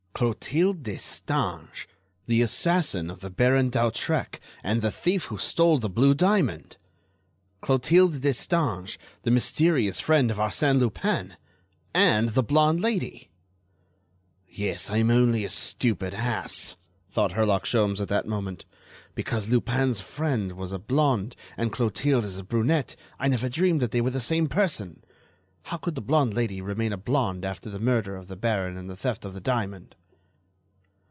Clotilde Destange, the assassin of the Baron d'Hautrec and the thief who stole the blue diamond! Clotilde Destange, the mysterious friend of Arsène Lupin! And the blonde lady! "Yes, I am only a stupid ass," thought Herlock Sholmes at that moment. "Because Lupin's friend was a blonde and Clotilde is a brunette, I never dreamed that they were the same person. But how could the blonde lady remain a blonde after the murder of the baron and the theft of the diamond?"